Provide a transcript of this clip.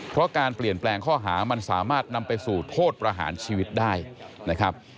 เพราะการเปลี่ยนแปลงข้อหามันสามารถนำไปสู่โทษประหารชีวิตได้นะครับ